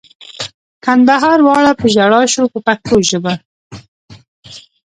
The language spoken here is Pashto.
کندهار واړه په ژړا شو په پښتو ژبه.